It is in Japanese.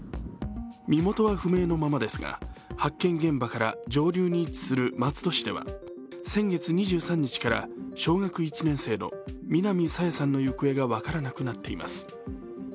身元は不明のままですが、発見現場から上流に位置する松戸市では先月２３日から小学１年生の南朝芽さんの行方が分からなくなっています。